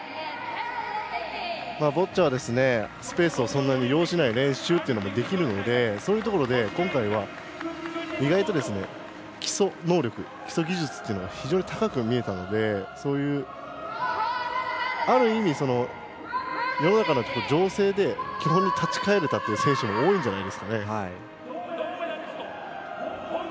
ボッチャはスペースを要しない練習ということもできるのでそういうところで意外と基礎能力基礎技術というのが非常に高く見えたのである意味、世の中の情勢で基本に立ち返れた選手も多いんじゃないでしょうか。